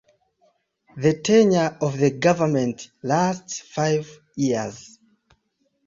The tenure of the government lasts five years.